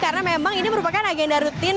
karena memang ini merupakan agenda rutin